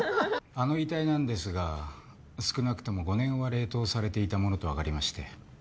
あの遺体なんですが少なくとも５年は冷凍されていたものと分かりまして。